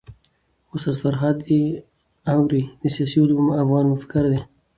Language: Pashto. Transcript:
استاد فرهاد داوري د سياسي علومو افغان مفکر دی.